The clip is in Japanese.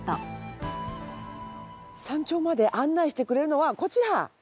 山頂まで案内してくれるのはこちら！